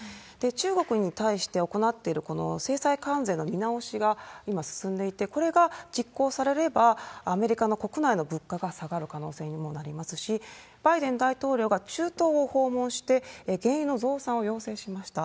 中国に対して行ってる、この制裁関税の見直しが今進んでいて、これが実行されれば、アメリカの国内の物価が下がる可能性にもなりますし、バイデン大統領が中東を訪問して、原油の増産を要請しました。